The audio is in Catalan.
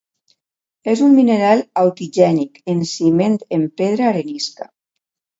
És un mineral autigènic en ciment en pedra arenisca.